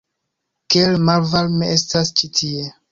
Kiel malvarme estas ĉi tie!